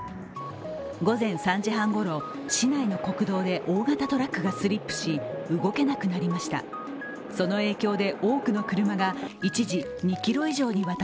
午前３時半ごろ、市内の国道で大型トラックがスリップし動けなくなりました。